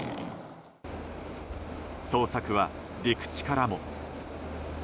捜索は陸地からも。